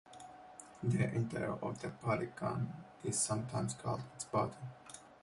The interior of the polygon is sometimes called its "body".